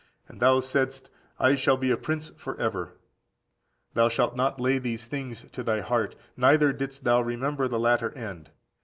And thou saidst, I shall be a princess for ever: thou didst not lay these things to thy heart, neither didst remember thy latter end.